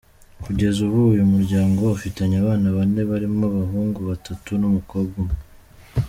Kugeza ubu uyu muryango ufitanye abana bane barimo abahungu batatu n’umukobwa umwe.